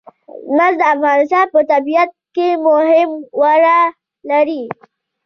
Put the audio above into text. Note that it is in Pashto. مس د افغانستان په طبیعت کې مهم رول لري.